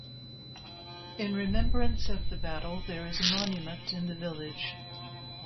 In remembrance of the battle there is a monument in the village.